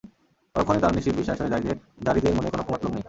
পরক্ষণেই তার নিশ্চিত বিশ্বাস হয়ে যায় যে, যারীদের মনে কোন কুমতলব নেই।